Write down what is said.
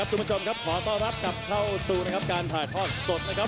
คุณผู้ชมครับขอต้อนรับกลับเข้าสู่นะครับการถ่ายทอดสดนะครับ